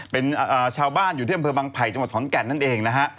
เป็นชาวบ้านอยู่ที่บางภัยจังหวัดถอนแก่นนั่นเองนะฮะ